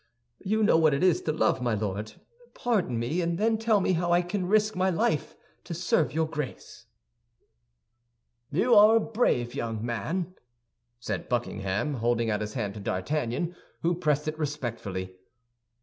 You know what it is to love, my Lord. Pardon me, and then tell me how I can risk my life to serve your Grace?" "You are a brave young man," said Buckingham, holding out his hand to D'Artagnan, who pressed it respectfully.